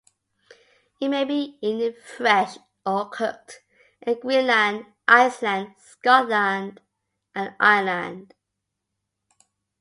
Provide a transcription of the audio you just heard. It may be eaten fresh or cooked in Greenland, Iceland, Scotland and Ireland.